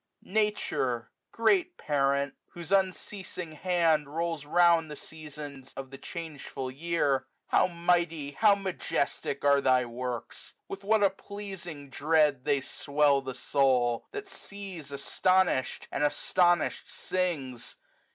Nature! great parent! whose unceasing hand Rolls round the Seasons of the changeful year. How mighty, how majestic, are thy works ! With what a pleasing dread they swell the soul ! That sees astonish'd ! and astonish'd sings